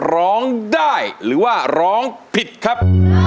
ร้องได้หรือว่าร้องผิดครับ